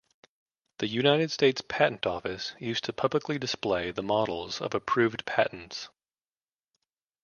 The United States Patent Office used to publicly display the models of approved patents.